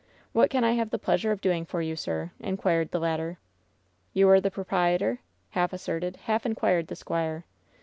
What can I have the pleasure of doing for you, sir ?" inquired the latter. "You are the proprietor ?" half asserted, half inquired the squire.